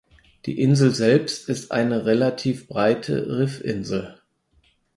Die Insel selbst ist eine relativ breite Riffinsel.